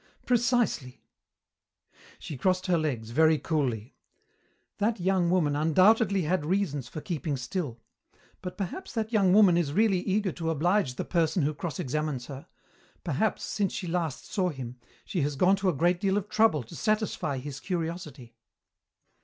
"Precisely." She crossed her legs, very coolly. "That young woman undoubtedly had reasons for keeping still. But perhaps that young woman is really eager to oblige the person who cross examines her; perhaps, since she last saw him, she has gone to a great deal of trouble to satisfy his curiosity."